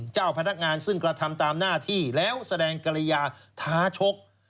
เจ้าพนักงานซึ่งกระทำตามหน้าที่แล้วแสดงกรยาท้าชก